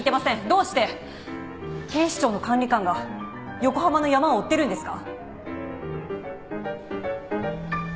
どうして警視庁の管理官が横浜のヤマを追ってるんですか？